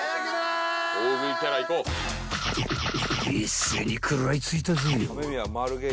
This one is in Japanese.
［一斉に食らいついたぜよ］